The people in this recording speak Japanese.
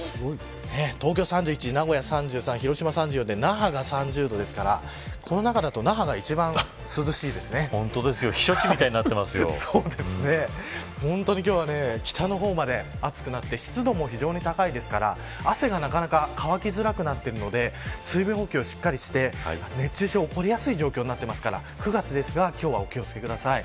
東京３１名古屋３３、広島３４で那覇３０ですからこの中ですと避暑地みたいに本当に今日は北の方まで暑くて汗がなかなか乾きづらくなっているので水分補給をしっかりして熱中症が起こりやすい状況になっていますから９月ですが今日はお気を付けください。